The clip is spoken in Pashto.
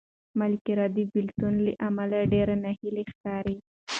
ملکیار د بېلتون له امله ډېر ناهیلی ښکاري.